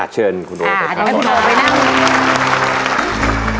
เชิญคุณโออีกครับ